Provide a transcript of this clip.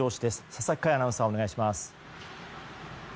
佐々木快アナウンサーお願いします。